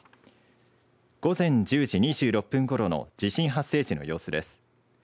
午前１０時２６分ごろの地震の発生時の様子です。